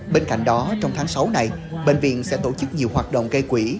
bên cạnh đó trong tháng sáu này bệnh viện sẽ tổ chức nhiều hoạt động gây quỹ